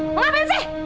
mau ngapain sih